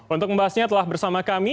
untuk membahasnya telah bersama kami